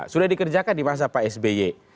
sudah dikerjakan di masa pak sby